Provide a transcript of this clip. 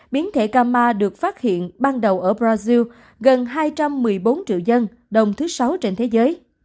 biến thể cà ma được phát hiện ban đầu ở brazil gần hai trăm một mươi bốn triệu dân đồng thứ sáu trên thế giới